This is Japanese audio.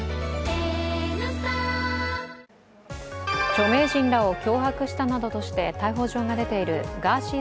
著名人らを脅迫したなどとして逮捕状が出ているガーシー